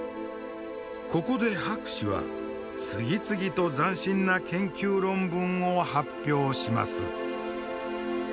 ここで博士は次々と斬新な研究論文を発表します。